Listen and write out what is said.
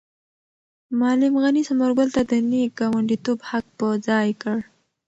معلم غني ثمر ګل ته د نېک ګاونډیتوب حق په ځای کړ.